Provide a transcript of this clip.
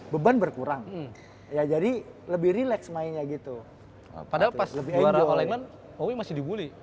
beban berkurang ya jadi lebih rileks mainnya gitu pada pas lebih orang lain masih dibully